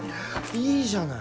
いいじゃない！